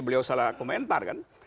beliau salah komentar kan